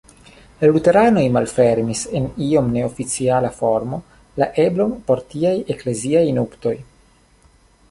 La luteranoj malfermis en iom neoficiala formo la eblon por tiaj ekleziaj nuptoj.